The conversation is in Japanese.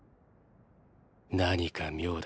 何か妙だ